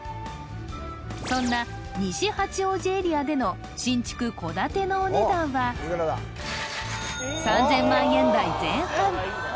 そんな西八王子エリアでの新築戸建てのお値段は３０００万円台前半